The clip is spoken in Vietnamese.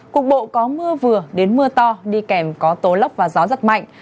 cục bộ có mưa vừa đến mưa to đi kèm có tố lốc và gió giật mạnh